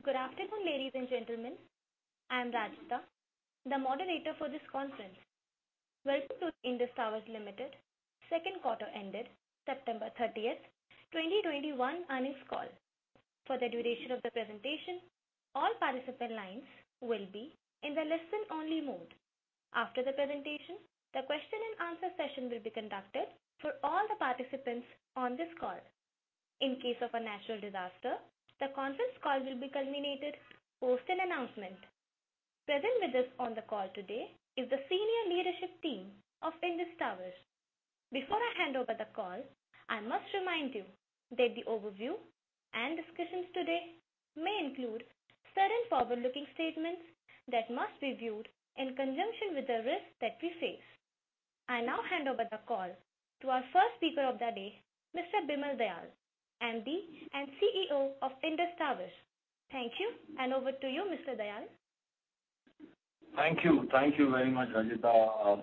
Good afternoon, ladies and gentlemen. I am Rajita, the moderator for this conference. Welcome to Indus Towers Limited second quarter ended September 30th, 2021 earnings call. For the duration of the presentation, all participant lines will be in the listen only mode. After the presentation, the question and answer session will be conducted for all the participants on this call. In case of a natural disaster, the conference call will be culminated post an announcement. Present with us on the call today is the senior leadership team of Indus Towers. Before I hand over the call, I must remind you that the overview and discussions today may include certain forward-looking statements that must be viewed in conjunction with the risks that we face. I now hand over the call to our first speaker of the day, Mr. Bimal Dayal, MD and CEO of Indus Towers. Thank you, and over to you, Mr. Dayal. Thank you. Thank you very much, Rajita.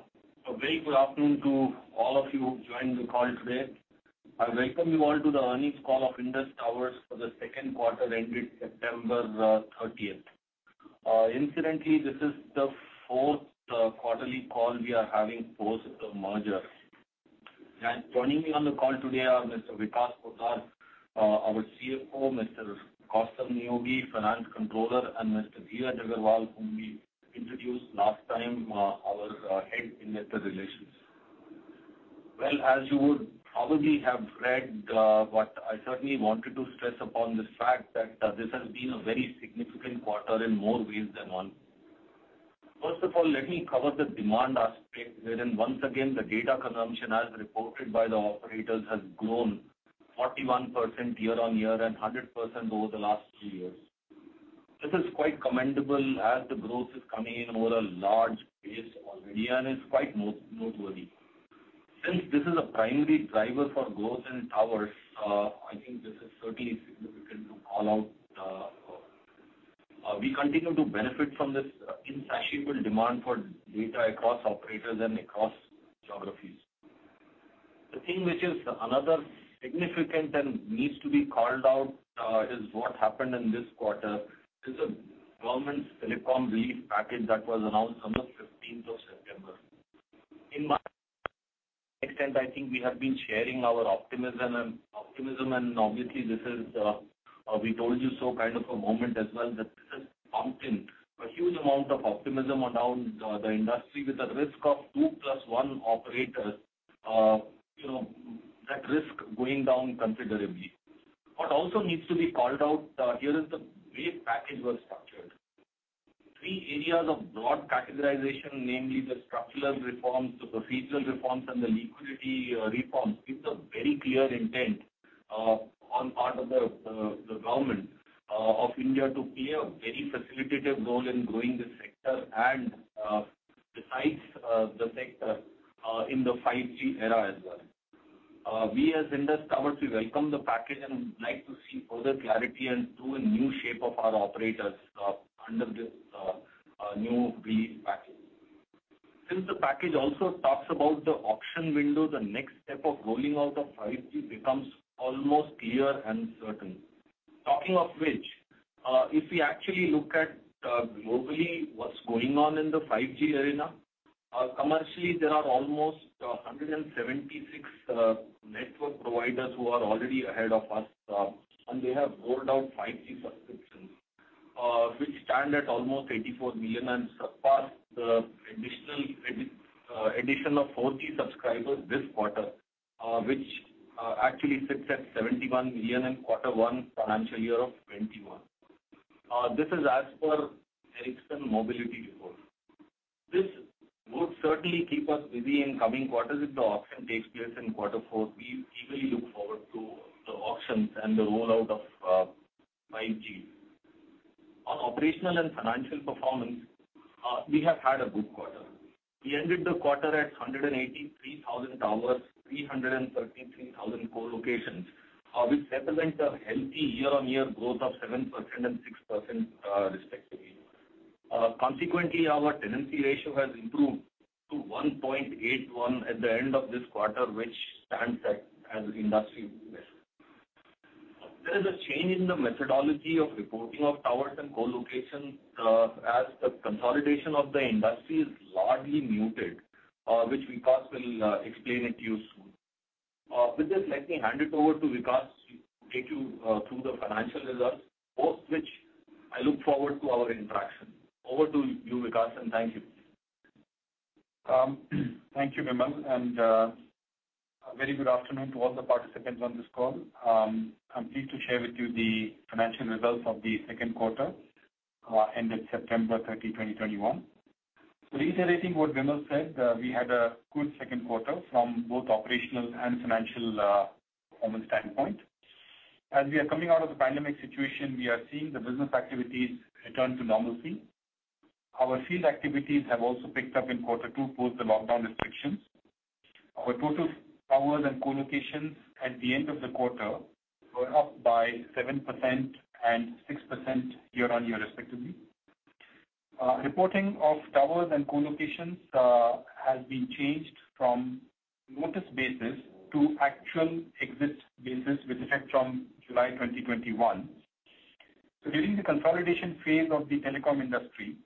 A very good afternoon to all of you joined the call today. I welcome you all to the earnings call of Indus Towers for the second quarter ended September 30th. Incidentally, this is the fourth quarterly call we are having post the merger. Joining me on the call today are Mr. Vikas Poddar, our CFO, Mr. Kaustav Neogi, Finance Controller, and Mr. Dheeraj Agarwal, whom we introduced last time, our Head Investor Relations. Well, as you would probably have read, but I certainly wanted to stress upon this fact that this has been a very significant quarter in more ways than one. First of all, let me cover the demand aspect wherein once again the data consumption as reported by the operators has grown 41% year-on-year and 100% over the last two years. This is quite commendable as the growth is coming in over a large base already and is quite noteworthy. Since this is a primary driver for growth in towers, I think this is certainly significant to call out. We continue to benefit from this insatiable demand for data across operators and across geographies. The thing which is another significant and needs to be called out is what happened in this quarter is the government's telecom relief package that was announced on the 15th of September. In my experience, I think we have been sharing our optimism and obviously this is a we told you so kind of a moment as well, that this has pumped in a huge amount of optimism around the industry with the risk of two plus one operator, you know, that risk going down considerably. What also needs to be called out here is the way the package was structured. Three areas of broad categorization, namely the structural reforms, the procedural reforms, and the liquidity reforms, gives a very clear intent on the part of the government of India to play a very facilitative role in growing this sector and besides the sector in the 5G era as well. We as Indus Towers, we welcome the package and like to see further clarity and through a new shape of our operators under this new relief package. Since the package also talks about the auction window, the next step of rolling out of 5G becomes almost clear and certain. Talking of which, if we actually look at globally what's going on in the 5G arena, commercially there are almost 176 network providers who are already ahead of us, and they have rolled out 5G subscriptions, which stand at almost 84 million and surpassed the additional addition of 4G subscribers this quarter, which actually sits at 71 million in quarter one financial year of 2021. This is as per Ericsson Mobility Report. This would certainly keep us busy in coming quarters if the auction takes place in quarter four. We eagerly look forward to the auctions and the rollout of 5G. On operational and financial performance, we have had a good quarter. We ended the quarter at 183,000 towers, 313,000 co-locations, which represent a healthy year-on-year growth of 7% and 6%, respectively. Consequently, our tenancy ratio has improved to 1.81 at the end of this quarter, which stands as industry best. There is a change in the methodology of reporting of towers and co-location, as the consolidation of the industry is largely muted, which Vikas will explain it to you soon. With this, let me hand it over to Vikas to take you through the financial results, post which I look forward to our interaction. Over to you, Vikas, and thank you. Thank you, Bimal, and a very good afternoon to all the participants on this call. I'm pleased to share with you the financial results of the second quarter ended September 30, 2021. Reiterating what Bimal said, we had a good second quarter from both operational and financial performance standpoint. As we are coming out of the pandemic situation, we are seeing the business activities return to normalcy. Our field activities have also picked up in quarter two, post the lockdown restrictions. Our total towers and co-locations at the end of the quarter were up by 7% and 6% year-on-year respectively. Reporting of towers and co-locations has been changed from notice basis to actual exit basis with effect from July 2021. During the consolidation phase of the telecom industry,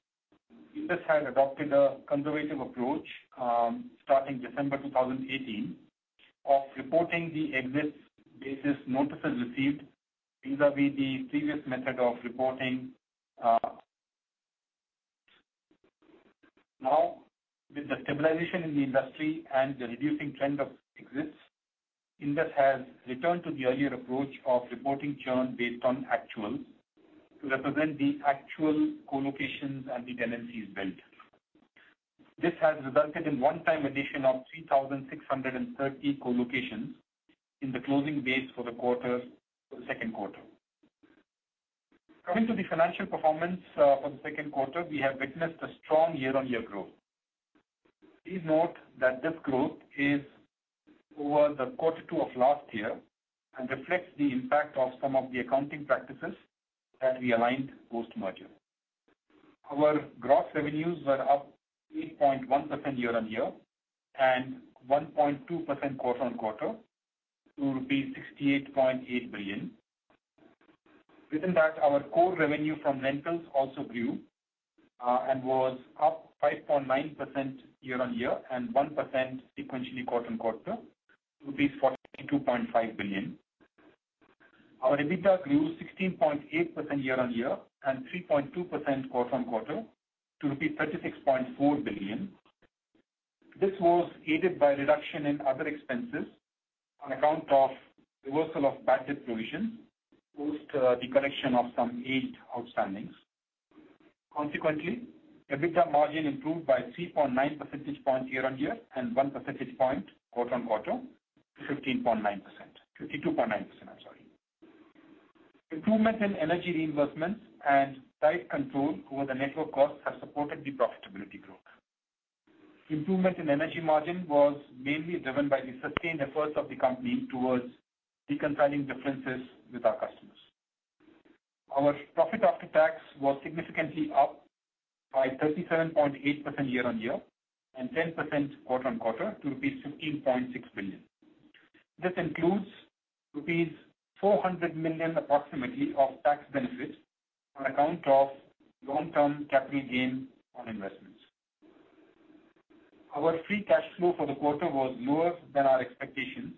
Indus had adopted a conservative approach, starting December 2018, of reporting the exit basis notices received vis-à-vis the previous method of reporting. Now, with the stabilization in the industry and the reducing trend of exits, Indus has returned to the earlier approach of reporting churn based on actual to represent the actual co-locations and the tenancies built. This has resulted in one-time addition of 3,630 co-locations in the closing base for the quarter, for the second quarter. Coming to the financial performance for the second quarter, we have witnessed a strong year-on-year growth. Please note that this growth is over the quarter two of last year and reflects the impact of some of the accounting practices that we aligned post-merger. Our gross revenues were up 8.1% year-on-year, and 1.2% quarter-on-quarter to rupees 68.8 billion. Within that, our core revenue from rentals also grew, and was up 5.9% year-on-year, and 1% sequentially quarter-on-quarter to INR 42.5 billion. Our EBITDA grew 16.8% year-on-year and 3.2% quarter-on-quarter to 36.4 billion. This was aided by reduction in other expenses on account of reversal of bad debt provision, post the collection of some aged outstandings. Consequently, EBITDA margin improved by 3.9 percentage points year-on-year and 1 percentage point quarter-on-quarter to 15.9%. 52.9%, I'm sorry. Improvement in energy reimbursements and tight control over the network costs have supported the profitability growth. Improvement in energy margin was mainly driven by the sustained efforts of the company towards reconciling differences with our customers. Our profit after tax was significantly up by 37.8% year-on-year, and 10% quarter-on-quarter to rupees 15.6 billion. This includes approximately rupees 400 million of tax benefits on account of long-term capital gain on investments. Our free cash flow for the quarter was lower than our expectations,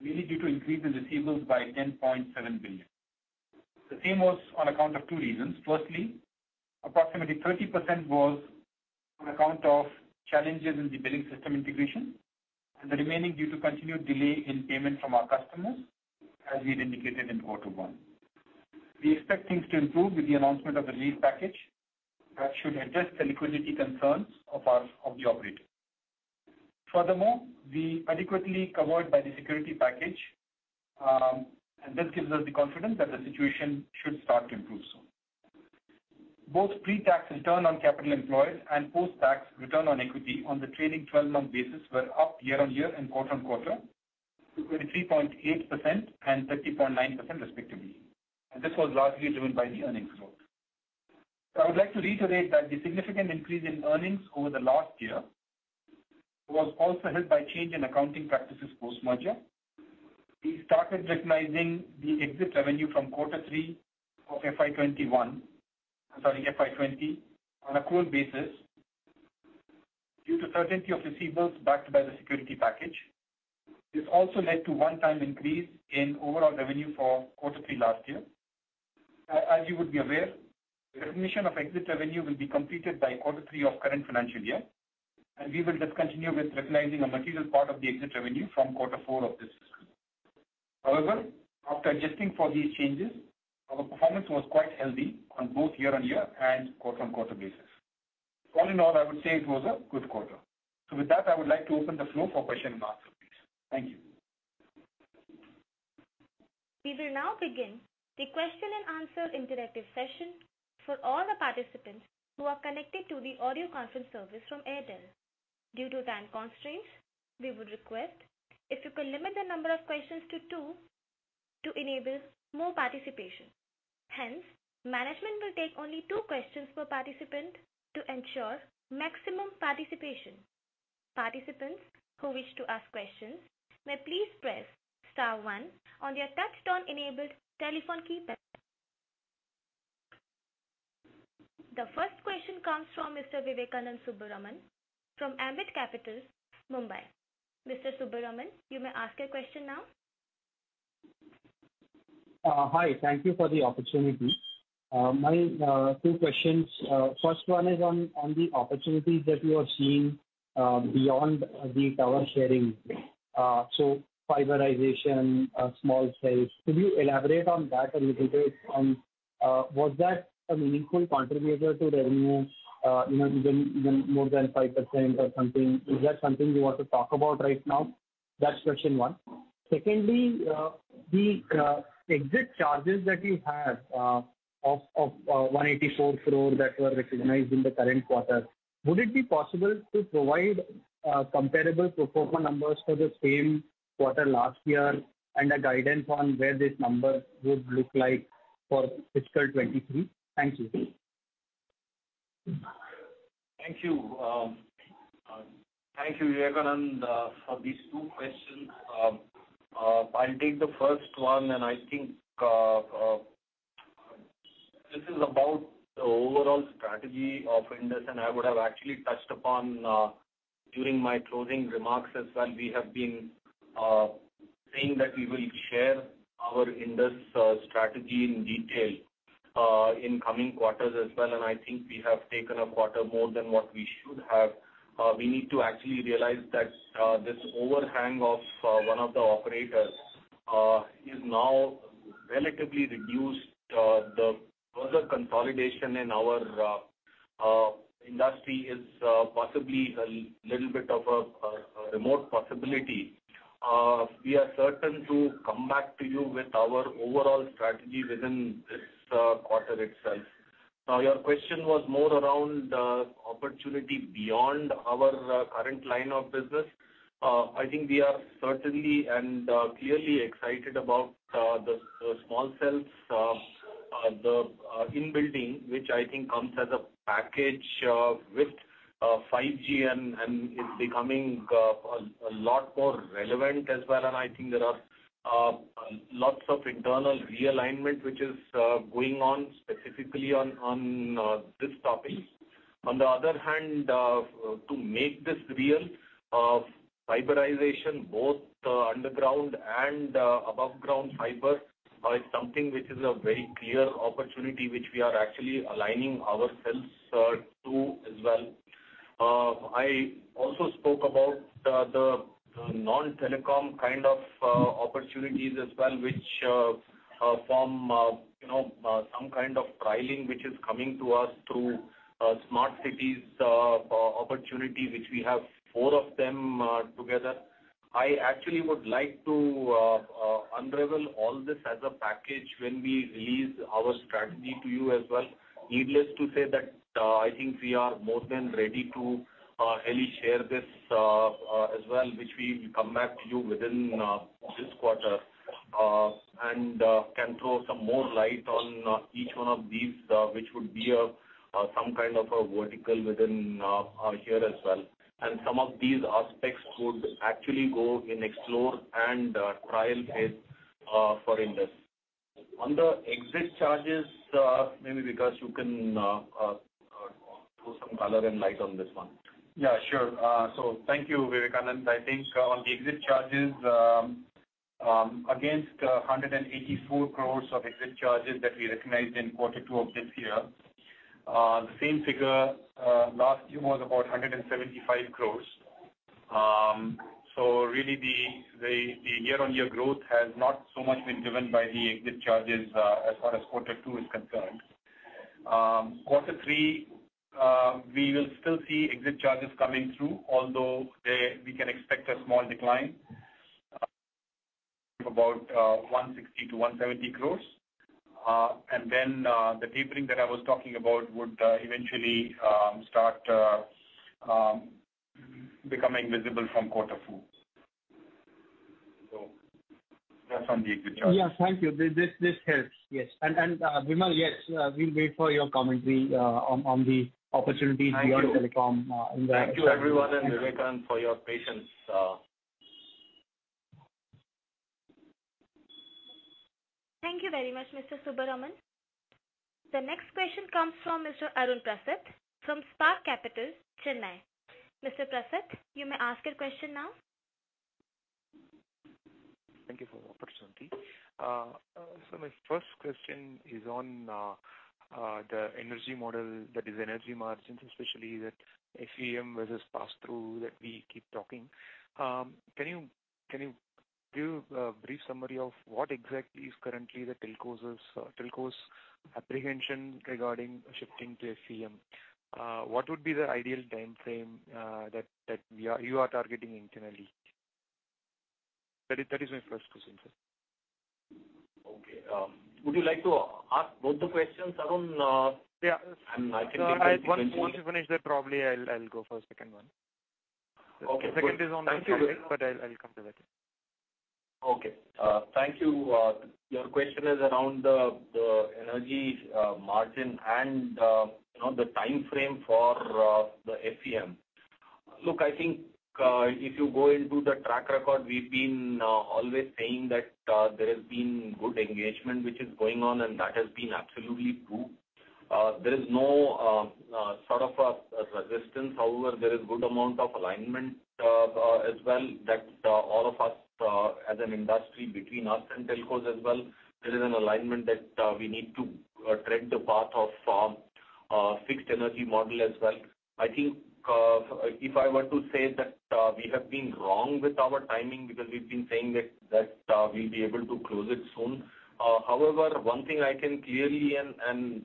mainly due to increase in receivables by 10.7 billion. The same was on account of two reasons. Firstly, approximately 30% was on account of challenges in the billing system integration, and the remaining due to continued delay in payment from our customers, as we had indicated in quarter one. We expect things to improve with the announcement of the relief package that should address the liquidity concerns of the operator. Furthermore, we are adequately covered by the security package, and this gives us the confidence that the situation should start to improve soon. Both pre-tax return on capital employed and post-tax return on equity on the trailing 12-month basis were up year-on-year and quarter-on-quarter to 23.8% and 30.9% respectively. This was largely driven by the earnings growth. I would like to reiterate that the significant increase in earnings over the last year was also helped by change in accounting practices post-merger. We started recognizing the exit revenue from quarter three of FY 2020 on an accrual basis due to certainty of receivables backed by the security package. This also led to one-time increase in overall revenue for quarter three last year. As you would be aware, the recognition of exit revenue will be completed by quarter three of current financial year, and we will just continue with recognizing a material part of the exit revenue from quarter four of this fiscal. However, after adjusting for these changes, our performance was quite healthy on both year-on-year and quarter-on-quarter basis. All in all, I would say it was a good quarter. With that, I would like to open the floor for question and answer please. Thank you. We will now begin the question and answer interactive session for all the participants who are connected to the audio conference service from Airtel. Due to time constraints, we would request if you could limit the number of questions to two to enable more participation. Hence, management will take only two questions per participant to ensure maximum participation. Participants who wish to ask questions may please press star one on their touchtone enabled telephone keypad. The first question comes from Mr. Vivekanand Subbaraman from Ambit Capital, Mumbai. Mr. Subbaraman, you may ask your question now. Hi. Thank you for the opportunity. My two questions. First one is on the opportunities that you are seeing beyond the tower sharing. So fiberization, small cells. Could you elaborate on that a little bit? Was that a meaningful contributor to revenue, you know, even more than 5% or something? Is that something you want to talk about right now? That's question one. Secondly, the exit charges that you have of 184 crore that were recognized in the current quarter. Would it be possible to provide comparable pro forma numbers for the same quarter last year, and a guidance on where this number would look like for fiscal 2023? Thank you. Thank you. Thank you, Vivekanand, for these two questions. I'll take the first one, and I think this is about the overall strategy of Indus, and I would have actually touched upon during my closing remarks as well. We have been saying that we will share our Indus strategy in detail in coming quarters as well. I think we have taken a quarter more than what we should have. We need to actually realize that this overhang of one of the operators is now relatively reduced. The further consolidation in our industry is possibly a little bit of a remote possibility. We are certain to come back to you with our overall strategy within this quarter itself. Now, your question was more around the opportunity beyond our current line of business. I think we are certainly and clearly excited about the small cells, the in-building, which I think comes as a package with 5G and it's becoming a lot more relevant as well. I think there are lots of internal realignment which is going on specifically on this topic. On the other hand, to make this real, fiberization both underground and above-ground fiber is something which is a very clear opportunity which we are actually aligning ourselves to as well. I also spoke about the non-telecom kind of opportunities as well, which from, you know, some kind of trialing which is coming to us through smart cities opportunity, which we have four of them together. I actually would like to unravel all this as a package when we release our strategy to you as well. Needless to say that I think we are more than ready to really share this as well, which we will come back to you within this quarter, and can throw some more light on each one of these, which would be some kind of a vertical within here as well. Some of these aspects would actually go in explore and trial phase for Indus. On the exit charges, maybe Vikas, you can throw some color and light on this one. Yeah, sure. Thank you, Vivekanand. I think on the exit charges, against 184 crore of exit charges that we recognized in quarter two of this year, the same figure last year was about 175 crore. So really, the year-on-year growth has not so much been driven by the exit charges as far as quarter two is concerned. Quarter three, we will still see exit charges coming through, although we can expect a small decline of about 160 crore-170 crore. Then the tapering that I was talking about would eventually start becoming visible from quarter four. So that's on the exit charge. Yeah. Thank you. This helps. Yes. Bimal, yes, we'll wait for your commentary on the opportunities. Thank you. Thank you, everyone, and Vivekanand for your patience. Thank you very much, Mr. Subbaraman. The next question comes from Mr. Arun Prasath from Spark Capital, Chennai. Mr. Prasath, you may ask your question now. Thank you for the opportunity. My first question is on the energy model, that is energy margins, especially the FEM versus pass through that we keep talking. Can you give a brief summary of what exactly is currently the telcos' apprehension regarding shifting to FEM? What would be the ideal time frame that you are targeting internally? That is my first question, sir. Okay. Would you like to ask both the questions, Arun? Yeah. I think. Once you finish that, probably I'll go for second one. Okay, good. The second is on the topic, but I'll come to that. Okay. Thank you. Your question is around the energy margin and, you know, the time frame for the FEM. Look, I think, if you go into the track record, we've been always saying that there has been good engagement which is going on, and that has been absolutely true. There is no sort of a resistance. However, there is good amount of alignment as well that all of us as an industry, between us and telcos as well, there is an alignment that we need to tread the path of fixed energy model as well. I think, if I were to say that we have been wrong with our timing because we've been saying that we'll be able to close it soon. However, one thing I can clearly and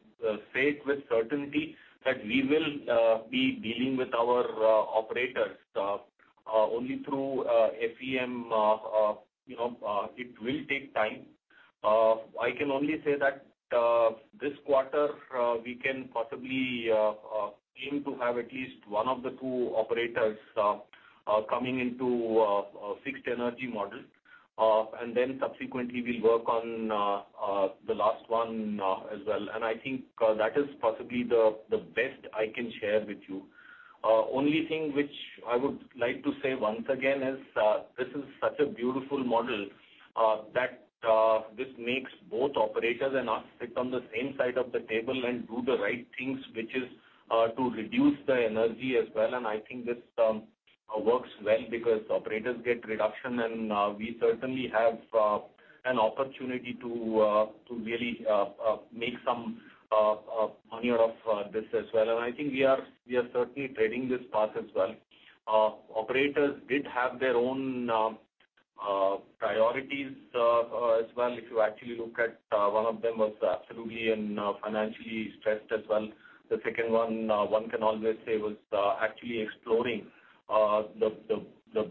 say it with certainty that we will be dealing with our operators only through FEM. You know, it will take time. I can only say that this quarter, we can possibly aim to have at least one of the two operators coming into fixed energy model. Then subsequently, we'll work on the last one as well. I think, that is possibly the best I can share with you. Only thing which I would like to say once again is, this is such a beautiful model, that this makes both operators and us sit on the same side of the table and do the right things, which is to reduce the energy as well. I think, this works well because operators get reduction and we certainly have an opportunity to really make some money off this as well. I think, we are certainly treading this path as well. Operators did have their own priorities as well. If you actually look at one of them was absolutely and financially stressed as well. The second one can always say was actually exploring the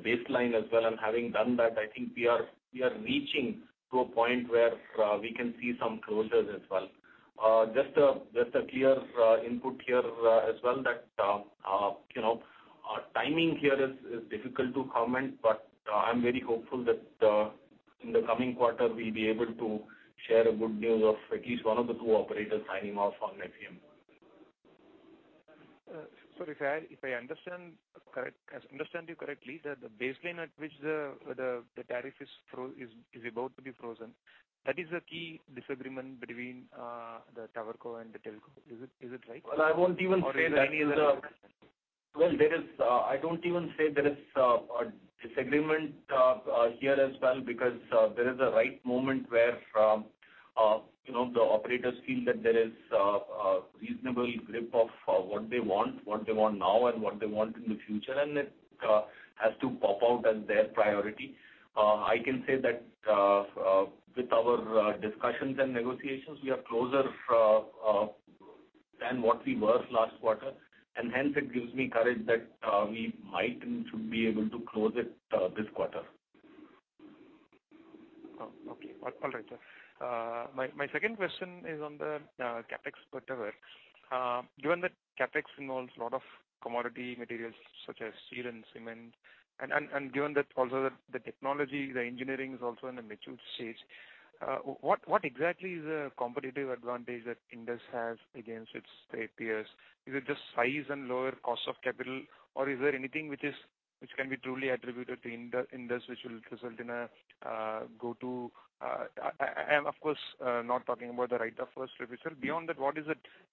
baseline as well and having done that, I think, we are reaching to a point where we can see some closures as well. Just a clear input here as well that, you know, timing here is difficult to comment, but I'm very hopeful that in the coming quarter we'll be able to share a good news of at least one of the two operators signing off on ATM. If I understand you correctly, the baseline at which the tariff is about to be frozen is the key disagreement between the tower co and the telco. Is it right? Well, I won't even say there is a disagreement here as well because there is a right moment where, you know, the operators feel that there is a reasonable grip of what they want, what they want now, and what they want in the future, and it has to pop out as their priority. I can say that with our discussions and negotiations, we are closer than what we were last quarter. Hence, it gives me courage that we might and should be able to close it this quarter. Oh, okay. All right, sir. My second question is on the CapEx whatever. Given that CapEx involves a lot of commodity materials such as steel and cement, and given that also the technology, the engineering is also in a mature stage, what exactly is the competitive advantage that Indus has against its state peers? Is it just size and lower cost of capital, or is there anything which can be truly attributed to Indus which will result in a go to. I am of course not talking about the right of first refusal. Beyond that, what is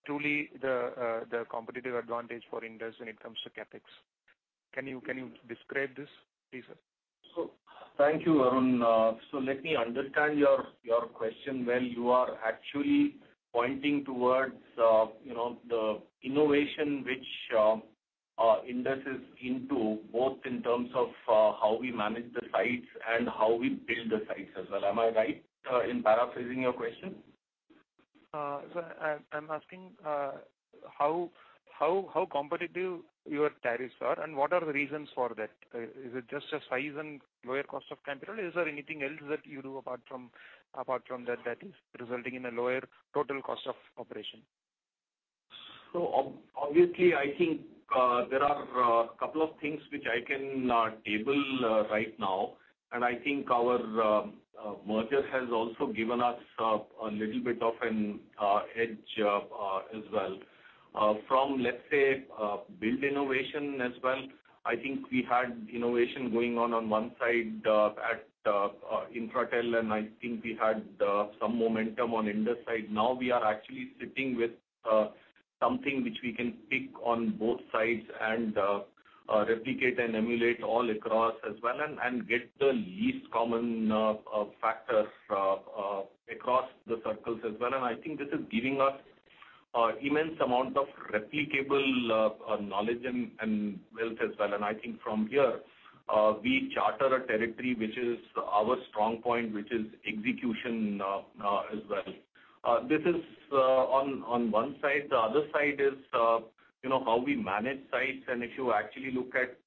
truly the competitive advantage for Indus when it comes to CapEx? Can you describe this please, sir? Thank you, Arun. Let me understand your question. Well, you are actually pointing towards, you know, the innovation which Indus is into, both in terms of how we manage the sites and how we build the sites as well. Am I right in paraphrasing your question? Sir, I'm asking how competitive your tariffs are and what are the reasons for that? Is it just a size and lower cost of capital, or is there anything else that you do apart from that that is resulting in a lower total cost of operation? Obviously, I think, there are a couple of things which I can table right now, and I think our merger has also given us a little bit of an edge as well. From, let's say, build innovation as well, I think, we had innovation going on one side at Infratel, and I think, we had some momentum on Indus side. Now, we are actually sitting with something which we can pick on both sides and replicate and emulate all across as well and get the least common factors across the circles as well. I think, this is giving us immense amount of replicable knowledge and wealth as well. I think, from here, we charter a territory which is our strong point, which is execution, as well. This is on one side. The other side is, you know, how we manage sites. If you actually look at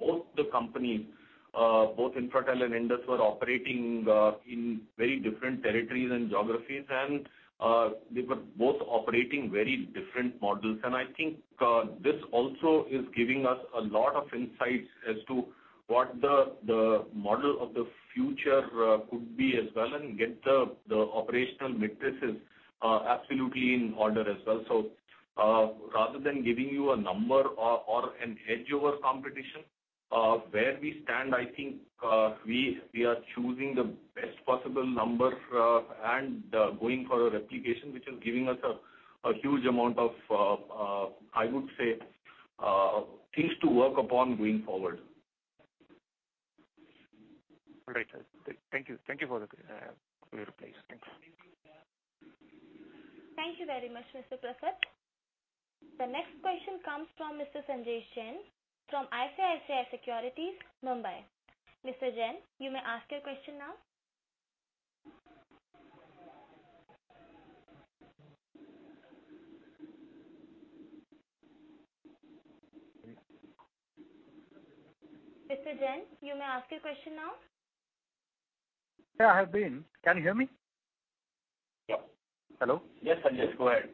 both the companies, both Infratel and Indus were operating in very different territories and geographies and they were both operating very different models. I think, this also is giving us a lot of insights as to what the model of the future could be as well and get the operational metrics absolutely in order as well. Rather than giving you a number or an edge over competition where we stand, I think, we are choosing the best possible number and going for a replication, which is giving us a huge amount of things to work upon going forward. All right, sir. Thank you. Thank you for your replies. Thanks. Thank you, sir. Thank you very much, Mr. Prasath. The next question comes from Mr. Sanjesh Jain from ICICI Securities, Mumbai. Mr. Jain, you may ask your question now. Yeah, I have been. Can you hear me? Yeah. Hello? Yes, Sanjesh, go ahead.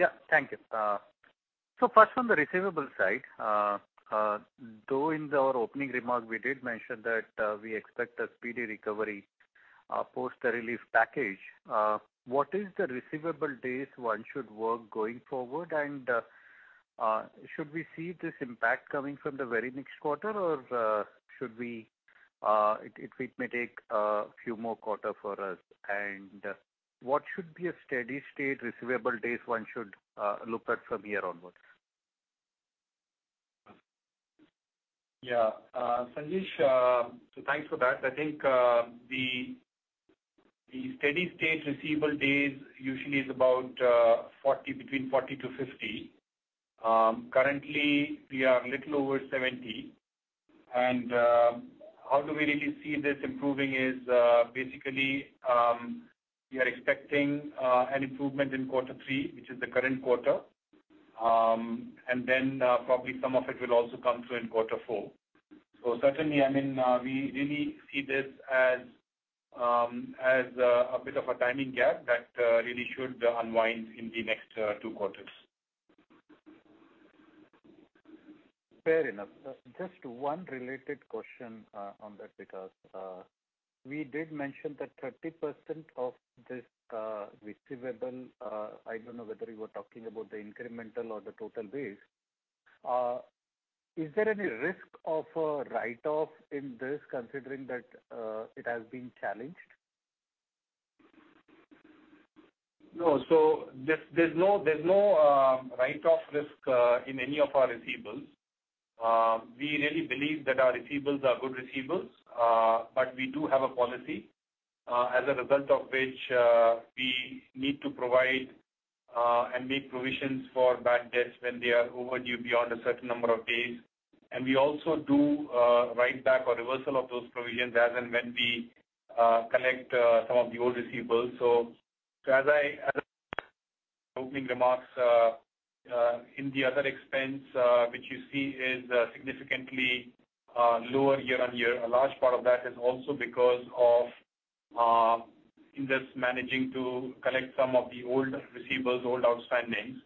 Yeah. Thank you. First on the receivable side, though in our opening remarks, we did mention that we expect a speedy recovery post the relief package. What is the receivable days one should work going forward? Should we see this impact coming from the very next quarter or it may take a few more quarter for us? What should be a steady state receivable days one should look at from here onwards? Sanjesh, thanks for that. I think the steady state receivable days usually is about 40, between 40-50. Currently we are a little over 70. How do we really see this improving is basically, we are expecting an improvement in quarter three, which is the current quarter. Then probably some of it will also come through in quarter four. Certainly, I mean, we really see this as a bit of a timing gap that really should unwind in the next two quarters. Fair enough. Just one related question on that, because we did mention that 30% of this receivable. I don't know whether you were talking about the incremental or the total base. Is there any risk of a write-off in this considering that it has been challenged? No. There's no write-off risk in any of our receivables. We really believe that our receivables are good receivables. We do have a policy, as a result of which, we need to provide and make provisions for bad debts when they are overdue beyond a certain number of days. We also do write back or reversal of those provisions as and when we collect some of the old receivables. As in opening remarks, in the other expense, which you see is significantly lower year-on-year. A large part of that is also because of just managing to collect some of the old receivables, old outstandings.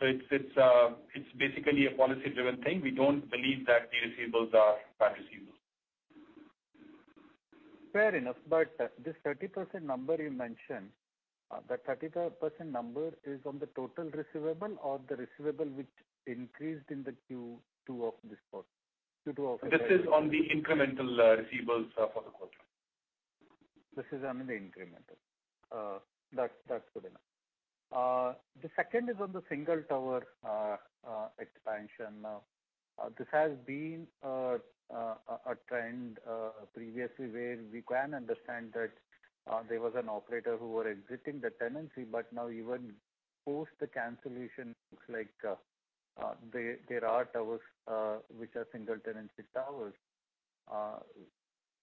It's basically a policy-driven thing. We don't believe that the receivables are bad receivables. Fair enough. This 30% number you mentioned, that 30% number is on the total receivable or the receivable which increased in the Q2 of this quarter? This is on the incremental receivables for the quarter. This is on the incremental. That's good enough. The second is on the single tower expansion. This has been a trend previously, where we can understand that there was an operator who were exiting the tenancy, but now even post the cancellation, looks like there are towers which are single tenancy towers.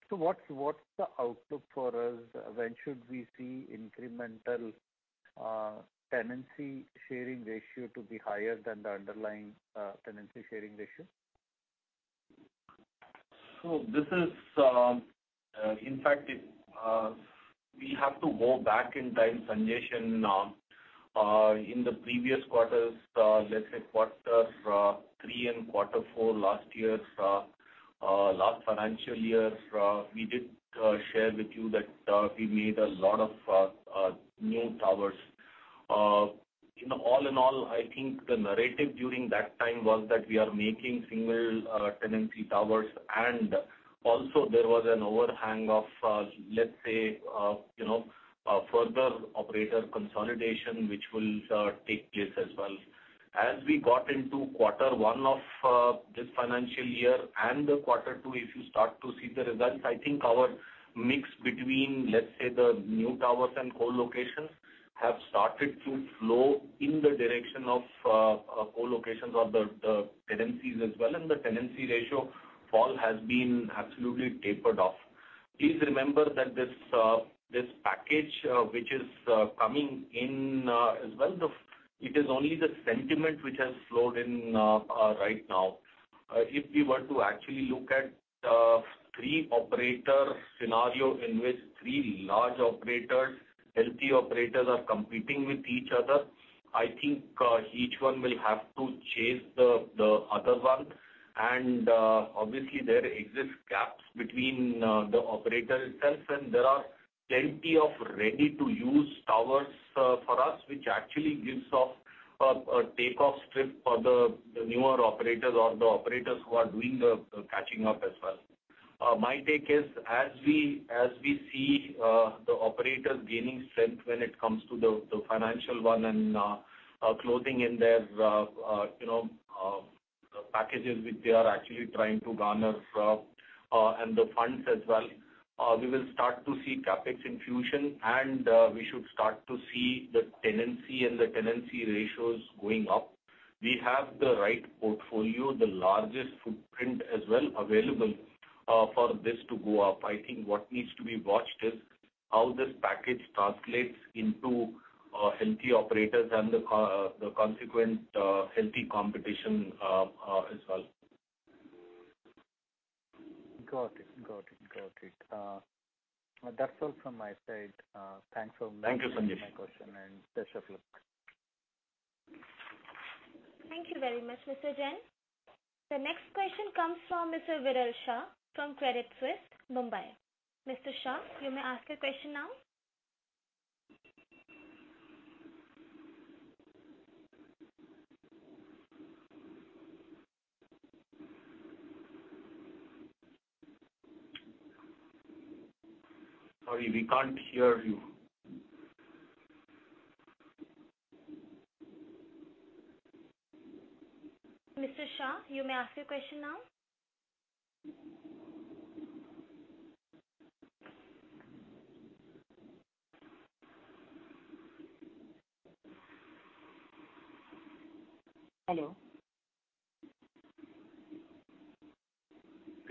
What's the outlook for us? When should we see incremental tenancy sharing ratio to be higher than the underlying tenancy sharing ratio? This is, in fact, we have to go back in time, Sanjesh. In the previous quarters, let's say quarter three and quarter four last financial year, we did share with you that we made a lot of new towers. All in all, I think, the narrative during that time was that we are making single tenancy towers, and also there was an overhang of, let's say, you know, further operator consolidation, which will take place as well. As we got into quarter one of this financial year and quarter two, if you start to see the results, I think our mix between, let's say, the new towers and co-locations have started to flow in the direction of co-locations or the tenancies as well. The tenancy ratio fall has been absolutely tapered off. Please remember that this package which is coming in as well. It is only the sentiment which has flowed in right now. If we were to actually look at three operator scenario in which three large operators, healthy operators are competing with each other, I think each one will have to chase the other one. Obviously, there exists gaps between the operator itself, and there are plenty of ready-to-use towers for us, which actually gives off a take-off strip for the newer operators or the operators who are doing the catching up as well. My take is as we see the operators gaining strength when it comes to the financial one and closing in their, you know, packages which they are actually trying to garner from and the funds as well, we will start to see CapEx infusion, and we should start to see the tenancy and the tenancy ratios going up. We have the right portfolio, the largest footprint as well available for this to go up. I think, what needs to be watched is how this package translates into healthy operators and the consequent healthy competition, as well. Got it. That's all from my side. Thanks so much. Thank you, Sanjesh. Thank you for taking my question, and best of luck. Thank you very much, Mr. Jain. The next question comes from Mr. Viral Shah from Credit Suisse, Mumbai. Mr. Shah, you may ask your question now. Sorry, we can't hear you. Mr. Shah, you may ask your question now. Hello?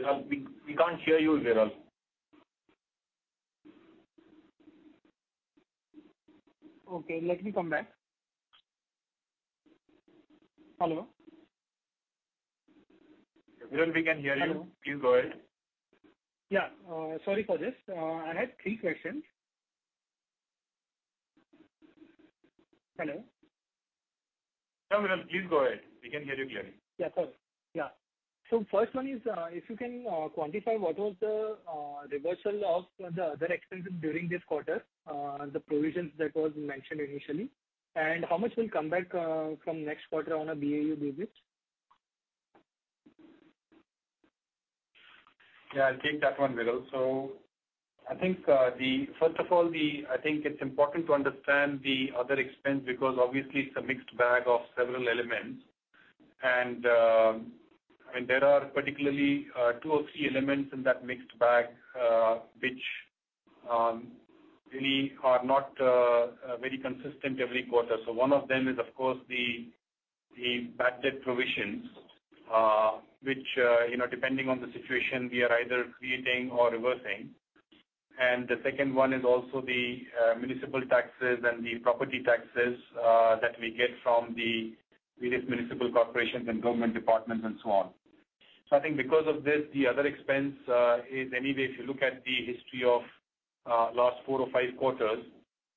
Viral, we can't hear you, Viral. Okay, let me come back. Hello? Viral, we can hear you. Hello. Please go ahead. Yeah. Sorry for this. I had three questions. Hello? No, Viral, please go ahead. We can hear you clearly. Yeah, sure. Yeah. First one is, if you can quantify what was the reversal of the other expenses during this quarter, the provisions that was mentioned initially. How much will come back from next quarter on a BAU basis? Yeah, I'll take that one, Viral. First of all, I think it's important to understand the other expense because obviously it's a mixed bag of several elements. There are particularly two or three elements in that mixed bag which really are not very consistent every quarter. One of them is, of course, the bad debt provisions, which you know, depending on the situation, we are either creating or reversing. The second one is also the municipal taxes and the property taxes that we get from the various municipal corporations and government departments and so on. I think because of this, the other expense is anyway, if you look at the history of last four or five quarters,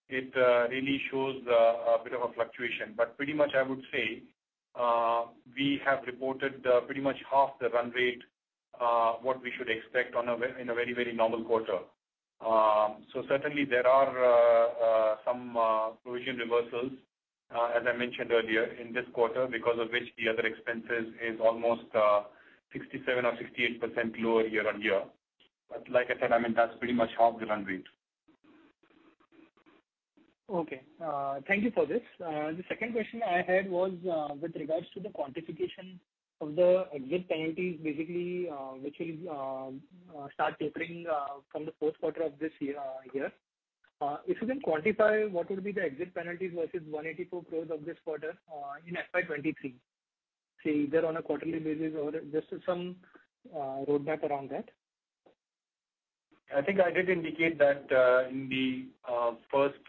it really shows a bit of a fluctuation. But pretty much I would say, we have reported pretty much half the run rate, what we should expect in a very, very normal quarter. Certainly, there are some provision reversals as I mentioned earlier, in this quarter because of which the other expenses is almost 67% or 68% lower year-on-year. But like I said, I mean, that's pretty much half the run rate. Okay. Thank you for this. The second question I had was with regards to the quantification of the exit penalties, basically, which will start tapering from the fourth quarter of this year. If you can quantify what would be the exit penalties versus 184 crores of this quarter in FY 2023. Say, either on a quarterly basis or just some roadmap around that. I think I did indicate that in the first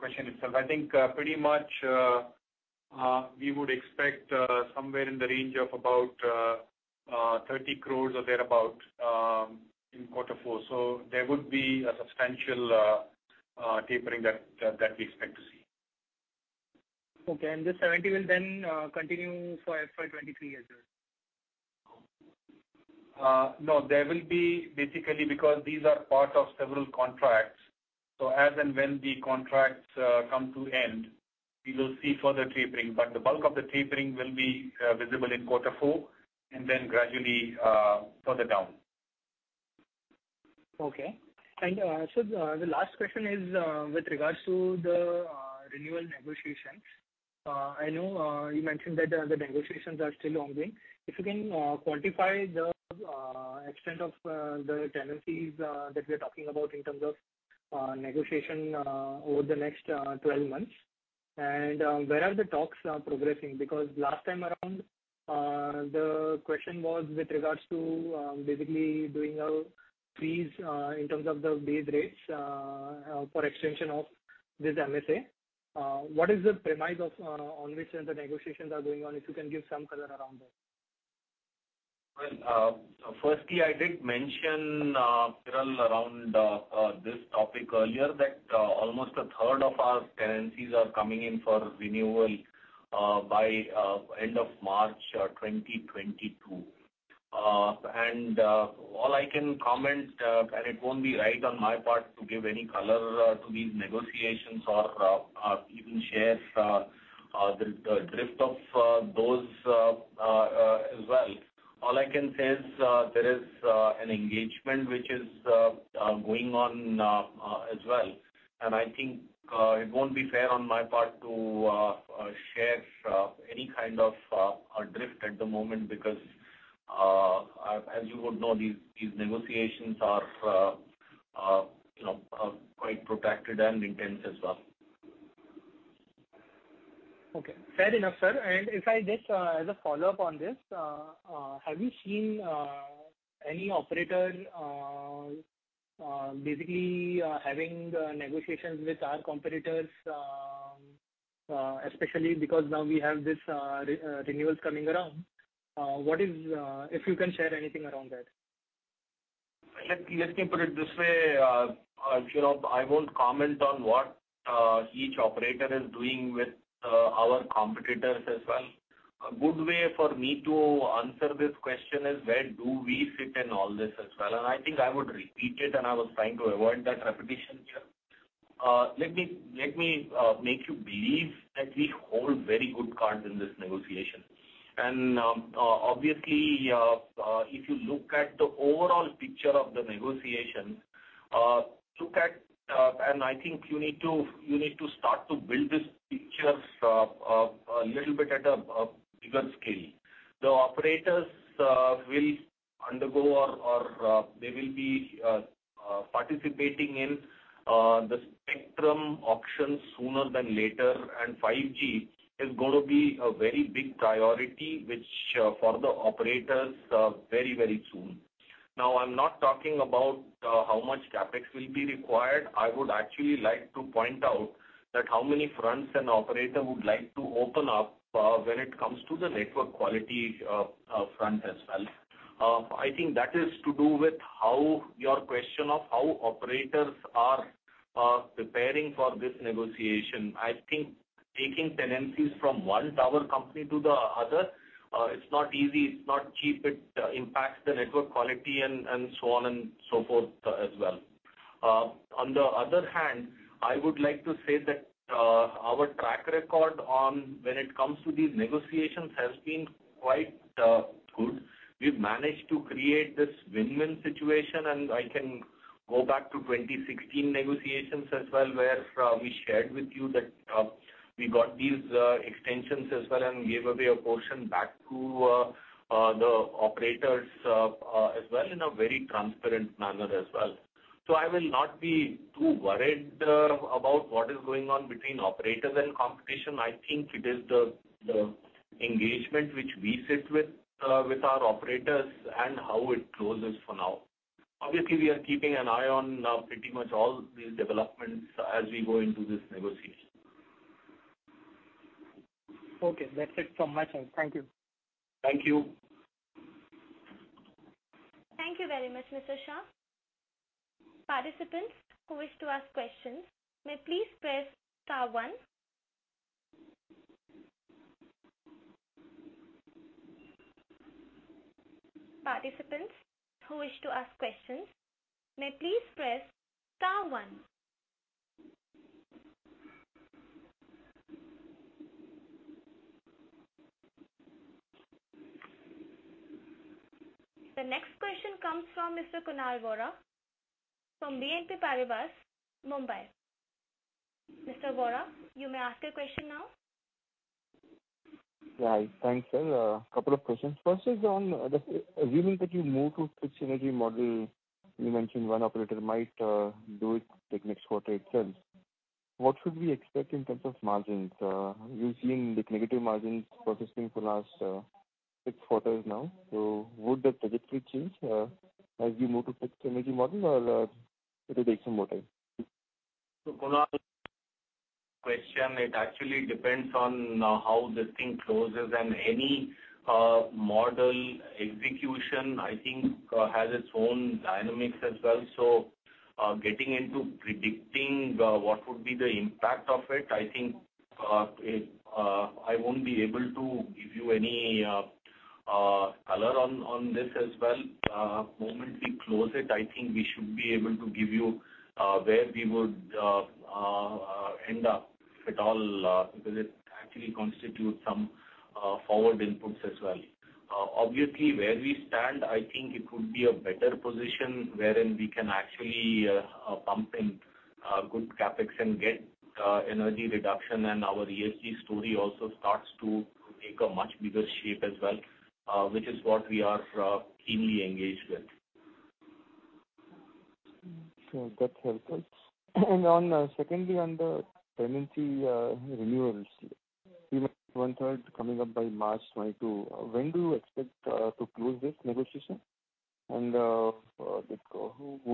question itself. I think pretty much we would expect somewhere in the range of about 30 crore or thereabout in quarter four. There would be a substantial tapering that we expect to see. Okay. This 70 will then continue for FY 2023 as well? No. There will be basically because these are part of several contracts. As and when the contracts come to end, we will see further tapering. The bulk of the tapering will be visible in quarter four, and then gradually further down. Okay. The last question is with regards to the renewal negotiations. I know you mentioned that the negotiations are still ongoing. If you can quantify the extent of the tenancies that we are talking about in terms of negotiation over the next 12 months. Where are the talks progressing? Because last time around, the question was with regards to basically doing a freeze in terms of the base rates for extension of this MSA. What is the premise of on which then the negotiations are going on? If you can give some color around that. Well, firstly, I did mention, Viral, around this topic earlier, that almost a third of our tenancies are coming in for renewal by end of March 2022. All I can comment and it won't be right on my part to give any color to these negotiations or even share the drift of those as well. All I can say is there is an engagement which is going on as well. I think, it won't be fair on my part to share any kind of a drift at the moment because as you would know, these negotiations are you know quite protracted and intense as well. Okay. Fair enough, sir. If I just, as a follow-up on this, have you seen any operator basically having the negotiations with our competitors, especially because now we have this renewal coming around, what is, if you can share anything around that? Let me put it this way, you know, I won't comment on what each operator is doing with our competitors as well. A good way for me to answer this question is where do we fit in all this as well? I think, I would repeat it, and I was trying to avoid that repetition here. Let me make you believe that we hold very good cards in this negotiation. Obviously, if you look at the overall picture of the negotiation, look at, and I think, you need to start to build this picture a little bit at a bigger scale. The operators will undergo or they will be participating in the spectrum auctions sooner than later. 5G is gonna be a very big priority, which, for the operators, very, very soon. Now, I'm not talking about how much CapEx will be required. I would actually like to point out that how many fronts an operator would like to open up when it comes to the network quality front as well. I think, that is to do with how your question of how operators are preparing for this negotiation. I think, taking tenancies from one tower company to the other, it's not easy, it's not cheap. It impacts the network quality and so on and so forth, as well. On the other hand, I would like to say that our track record on when it comes to these negotiations has been quite, good. We've managed to create this win-win situation, and I can go back to 2016 negotiations as well, where we shared with you that we got these extensions as well and gave away a portion back to the operators as well in a very transparent manner as well. I will not be too worried about what is going on between operators and competition. I think, it is the engagement which we sit with with our operators and how it closes for now. Obviously, we are keeping an eye on pretty much all these developments as we go into this negotiation. Okay. That's it from my side. Thank you. Thank you. Thank you very much, Mr. Shah. Participants who wish to ask questions may please press star one. The next question comes from Mr. Kunal Vora from BNP Paribas, Mumbai. Mr. Vora, you may ask your question now. Yeah. Thanks, sir. A couple of questions. First is on assuming that you move to fixed energy model, you mentioned one operator might do it like next quarter itself. What should we expect in terms of margins? You've seen the negative margins persisting for last six quarters now. Would the trajectory change as you move to fixed energy model or it will take some more time? Kunal, question, it actually depends on how this thing closes and any model execution, I think, has its own dynamics as well. Getting into predicting what would be the impact of it, I think, it, I won't be able to give you any color on this as well. Moment we close it, I think, we should be able to give you where we would end up if at all, because it actually constitutes some forward inputs as well. Obviously, where we stand, I think, it would be a better position wherein we can actually pump in good CapEx and get energy reduction. Our ESG story also starts to take a much bigger shape as well, which is what we are keenly engaged with. Sure. That's helpful. On, secondly, on the tenancy renewals, you have 1/3 coming up by March 2022. When do you expect to close this negotiation? Would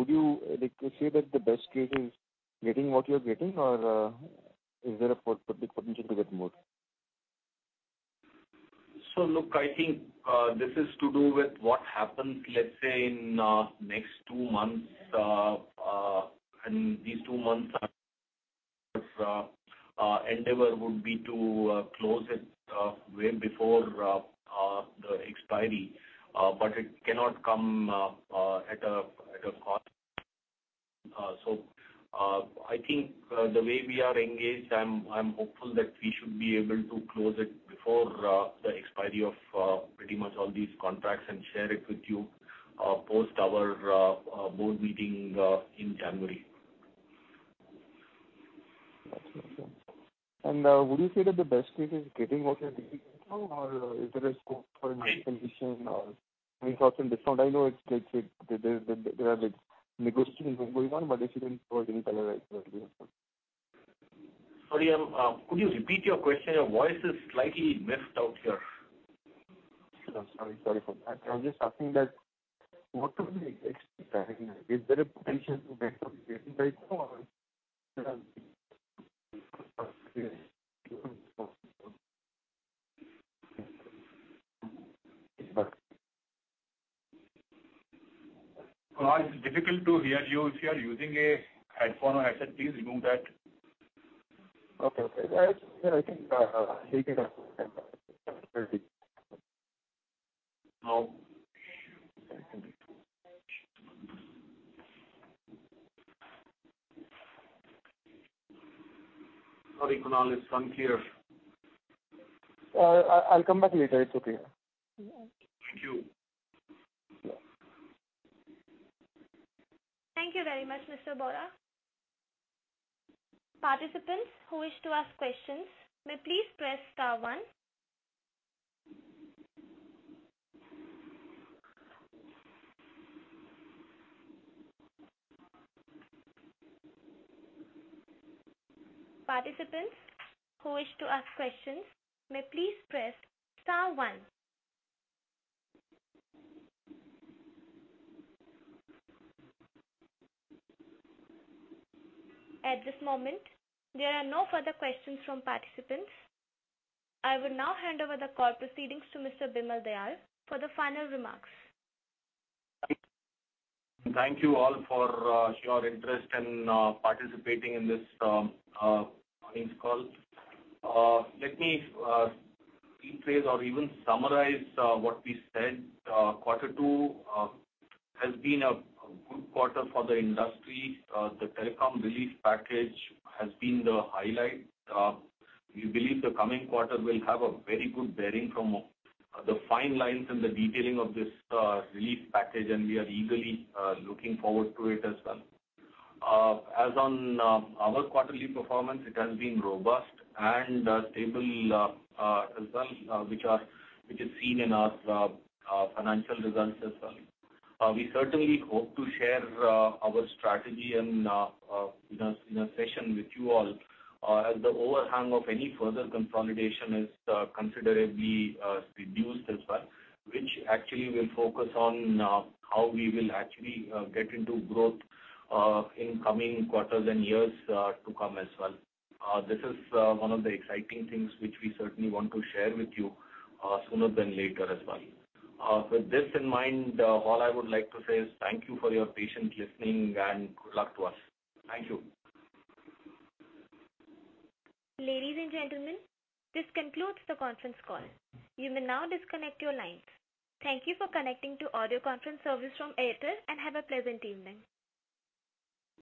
you like to say that the best case is getting what you're getting or is there a potential to get more? Look, I think, this is to do with what happens, let's say, in next two months. These two months our endeavor would be to close it way before the expiry. But it cannot come at a cost. I think, the way we are engaged, I'm hopeful that we should be able to close it before the expiry of pretty much all these contracts and share it with you post our board meeting in January. That's okay. Would you say that the best case is getting what you're getting now or is there a scope for any condition or any cost and discount? I know it's, there are the, negotiations are going on, but they shouldn't go any further. Sorry, could you repeat your question? Your voice is slightly messed up here. Sorry for that. I was just asking that, what will be the exit strategy? Is there a potential to sell? Kunal, it's difficult to hear you. If you are using a headphone or headset, please remove that. Okay, okay. Yeah, I think. No. Sorry, Kunal, it's unclear. I'll come back later. It's okay. Thank you. Yeah. Thank you very much, Mr. Vora. Participants who wish to ask questions may please press star one. At this moment, there are no further questions from participants. I will now hand over the call proceedings to Mr. Bimal Dayal for the final remarks. Thank you all for your interest in participating in this earnings call. Let me rephrase or even summarize what we said. Quarter two has been a good quarter for the industry. The telecom relief package has been the highlight. We believe the coming quarter will have a very good bearing from the fine lines and the detailing of this relief package, and we are eagerly looking forward to it as well. As on our quarterly performance, it has been robust and stable as well, which is seen in our financial results as well. We certainly hope to share our strategy and in a session with you all, as the overhang of any further consolidation is considerably reduced as well, which actually will focus on how we will actually get into growth in coming quarters and years to come as well. This is one of the exciting things which we certainly want to share with you sooner than later as well. With this in mind, all I would like to say is thank you for your patient listening and good luck to us. Thank you. Ladies and gentlemen, this concludes the conference call. You may now disconnect your lines. Thank you for connecting to audio conference service from Airtel and have a pleasant evening.